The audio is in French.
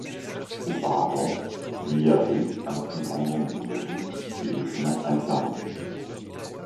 Auparavant, il y avait un plus grand nombre de routes et de chemins alternatifs.